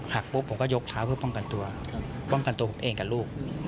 ปุ๊บผมก็ยกเท้าเพื่อป้องกันตัวป้องกันตัวผมเองกับลูก